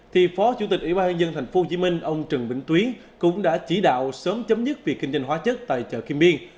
thì phó chủ tịch ủy ban nhân tp hcm ông trần vĩnh túy cũng đã chỉ đạo sớm chấm dứt việc kinh doanh hóa chất tại chợ kim biên